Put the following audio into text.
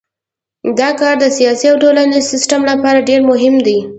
دا کار د سیاسي او ټولنیز سیستم لپاره ډیر مهم دی.